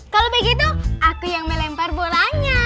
kalau begitu aku yang melempar bolanya